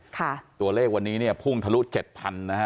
ค่ะตัวเลขวันนี้เนี่ยพุ่งทะลุ๗๐๐๐นะฮะ